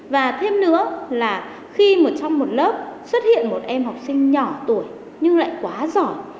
và thêm nữa là khi mà trong một lớp xuất hiện một em học sinh nhỏ tuổi nhưng lại quá giỏi